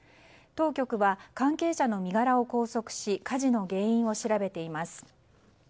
当局は関係者の身柄を拘束し火事の原因を調べています。